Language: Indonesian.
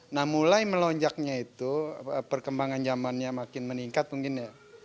nah mulai melonjaknya itu perkembangan zamannya makin meningkat mungkin ya